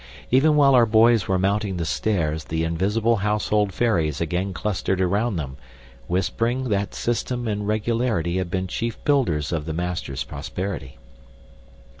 Even while our boys were mounting the stairs, the invisible household fairies again clustered around them, whispering that system and regularity had been chief builders of the master's prosperity.